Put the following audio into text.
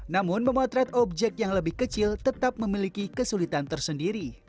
namun memotret objek yang lebih kecil tetap memiliki kesulitan tersendiri